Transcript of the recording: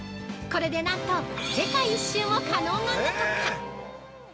これで、なんと世界一周も可能なんだとか！